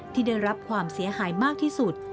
ที่ได้รับความเสียหายมากที่สุด